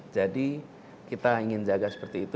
jadi kita ingin jaga seperti itu